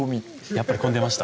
やっぱり混んでました？